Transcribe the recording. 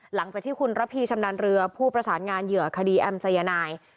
หลังจากที่คุณระพีชำนาญเรือผู้ประสานงานเหยื่อคดีแอมสายนาย